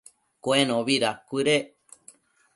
Cuenobi dacuëdec